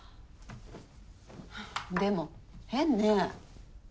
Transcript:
でも変ねえ。